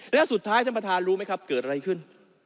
แล้วสุดท้ายท่านประธานรู้ไหมครับเกิดอะไรขึ้น